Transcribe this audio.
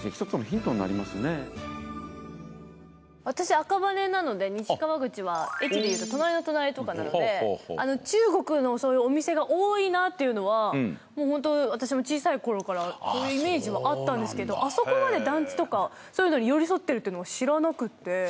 私赤羽なので西川口は駅でいうと隣の隣とかなので中国のそういうお店が多いなっていうのはホント私も小さい頃からそういうイメージはあったんですけどあそこまで団地とかそういうのに寄り添ってるっていうのは知らなくて。